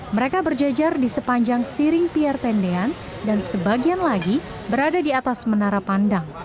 mereka berjejar di sepanjang siring pier tendean dan sebagian lagi berada di atas menara pandang